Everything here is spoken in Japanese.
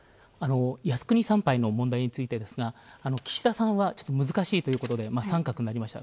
靖国参拝の問題についてですが岸田さんは、難しいということで△になりました。